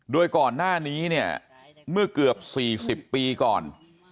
โดยก่อนหน้านี้เนี่ยเมื่อเกือบ๔๐ปีก่อน